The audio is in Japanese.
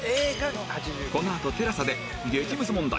このあと ＴＥＬＡＳＡ で激ムズ問題